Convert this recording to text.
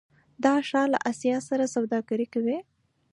دا ښار له اسیا سره سوداګري کوي.